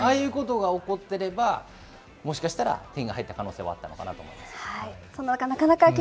ああいうことが起こってれば、もしかしたら点が入った可能性はあったのかなと思います。